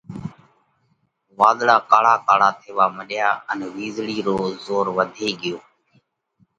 واۮۯا ڪاۯا ڪاۯا ٿيوا مڏيا ان وِيزۯِي رو زور وڌي ڳيو۔